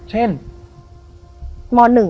เช่น